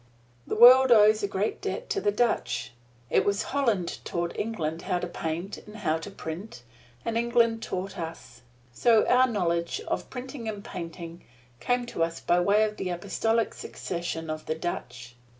The world owes a great debt to the Dutch. It was Holland taught England how to paint and how to print, and England taught us: so our knowledge of printing and painting came to us by way of the apostolic succession of the Dutch.